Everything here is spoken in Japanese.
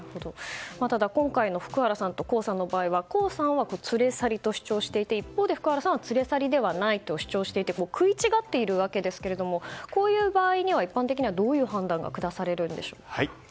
ただ、今回の福原さんと江さんの場合は江さんは連れ去りと主張していて一方で福原さんは連れ去りではないと主張しており食い違っているわけですがこういう場合には一般的にどういう判断が下されるんでしょうか。